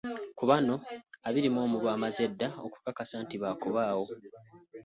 Ku bano abiri mu omu baamaze dda okukakasa nti baakubaawo.